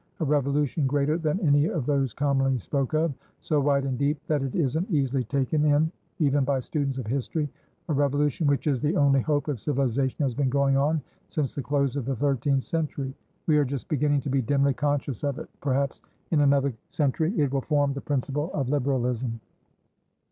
A revolution greater than any of those commonly spoken ofso wide and deep that it isn't easily taken in even by students of historya revolution which is the only hope of civilisation, has been going on since the close of the thirteenth century. We are just beginning to be dimly conscious of it. Perhaps in another century it will form the principle of Liberalism."